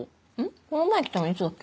この前来たのいつだっけ？